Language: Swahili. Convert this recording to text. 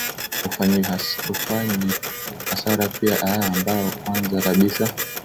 ufanyi hasara pia aa ambao kwanza kabisa